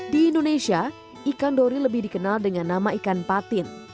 di indonesia ikan dori lebih dikenal dengan nama ikan patin